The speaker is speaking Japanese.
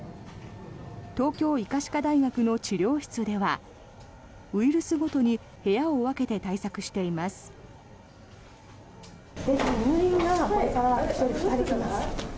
東京医科歯科大学の治療室ではウイルスごとに部屋を分けて対策しています。